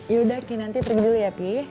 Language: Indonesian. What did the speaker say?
yaudah ki nanti pergi dulu ya ki